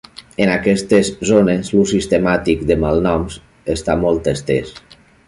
En aquestes zones l'ús sistemàtic de malnoms està molt estès.